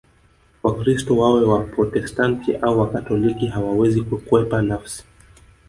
Wakristo wawe Waprotestanti au Wakatoliki hawawezi kukwepa nafsi